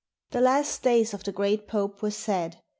The last days of the great Pope were sad.